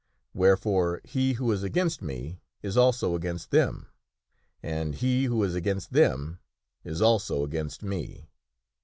Wherefore, he who is against me is also against them, and he who is against them is also against me.